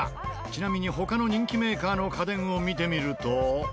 ちなみに他の人気メーカーの家電を見てみると。